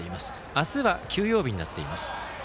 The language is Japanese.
明日は休養日になっています。